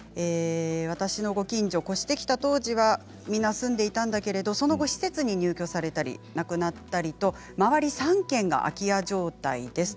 私のご近所、越してきた当時は人が住んでいたんだけれどその後、施設に入居されたり亡くなったりと周りの３軒が空き家状態です。